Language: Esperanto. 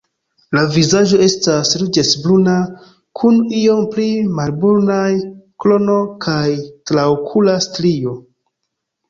La vizaĝo estas ruĝecbruna kun iom pli malhelbrunaj krono kaj traokula strio.